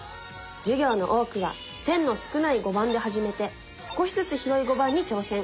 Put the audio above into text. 授業の多くは線の少ない碁盤で始めて少しずつ広い碁盤に挑戦。